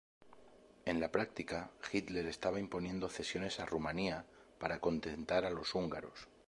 En la práctica, Hitler estaba imponiendo cesiones a Rumanía para contentar a los húngaros.